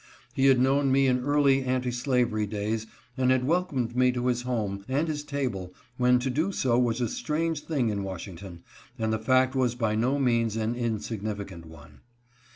He had known me in early anti slavery days and had welcomed me to his home and his table when to do so was a strange thing in Washing ton, and the fact was by no means an insignificant one.